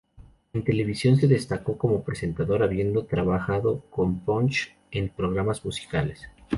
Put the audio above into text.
En televisión se destacó como presentador, habiendo trabajado con Punch en programas musicales.